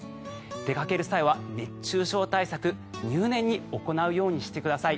出かける際は熱中症対策入念に行うようにしてください。